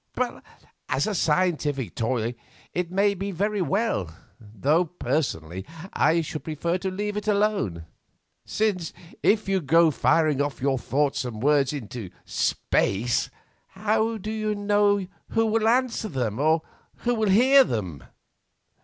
As a scientific toy it may be very well, though, personally, I should prefer to leave it alone, since, if you go firing off your thoughts and words into space, how do you know who will answer them, or who will hear them?"